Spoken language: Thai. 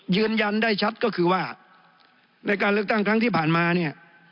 ยืนยันได้ชัดก็คือว่าในการเลือกตั้งครั้งที่ผ่านมาเนี่ย